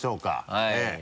はい。